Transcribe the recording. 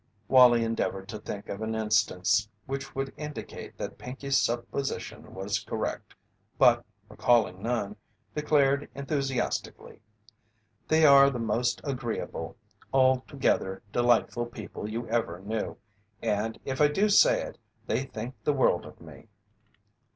Wallie endeavoured to think of an instance which would indicate that Pinkey's supposition was correct, but, recalling none, declared enthusiastically: "They are the most agreeable, altogether delightful people you ever knew, and, if I do say it, they think the world of me."